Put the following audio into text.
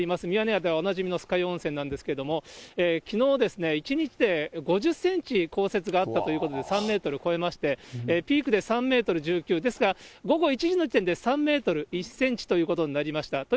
ミヤネ屋ではおなじみの酸ヶ湯温泉なんですけれども、きのう、１日で５０センチ降雪があったということで、３メートル超えまして、ピークで３メートル１９、ですが、午後１時時点で３メートル１センチということになりました。